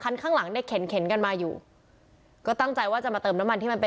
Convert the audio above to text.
ข้างหลังเนี่ยเข็นเข็นกันมาอยู่ก็ตั้งใจว่าจะมาเติมน้ำมันที่มันเป็น